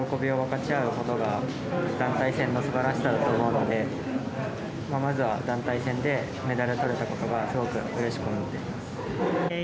皆で喜びを分かち合うことが団体戦のすばらしさだと思うのでまずは団体戦でメダルを取れたことがすごくうれしく思っています。